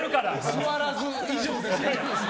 座らず、以上で。